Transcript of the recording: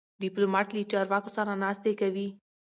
ډيپلومات له چارواکو سره ناستې کوي.